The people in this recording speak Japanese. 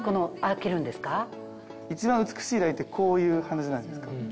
一番美しいラインってこういう鼻じゃないですか。